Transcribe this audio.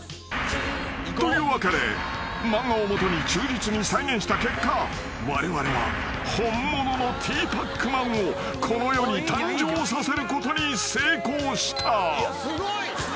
［というわけで漫画を基に忠実に再現した結果われわれは本物のティーパックマンをこの世に誕生させることに成功した］